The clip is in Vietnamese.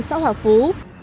xã hòa pháp